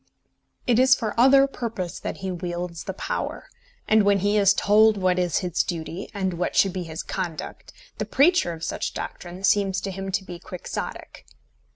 It is for other purpose that he wields the power; and when he is told what is his duty, and what should be his conduct, the preacher of such doctrine seems to him to be quixotic.